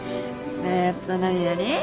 えーっと何何？